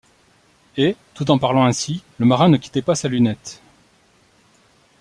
Et, tout en parlant ainsi, le marin ne quittait pas sa lunette